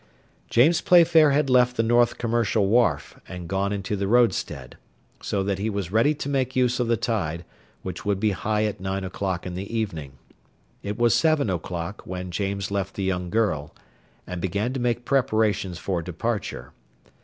James Playfair had left the North Commercial Wharf and gone into the roadstead, so that he was ready to make use of the tide, which would be high at nine o'clock in the evening. It was seven o'clock when James left the young girl, and began to make preparations for departure.